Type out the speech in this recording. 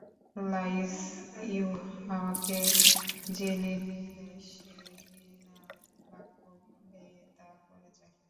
লাঈছ ইউহাওয়াকে যে নির্দেশ দেয়, সে বিনা বাক্য ব্যয়ে তা করে যায়।